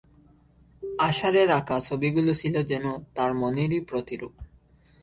আশারের আঁকা ছবিগুলো ছিল যেন তার মনেরই প্রতিরূপ।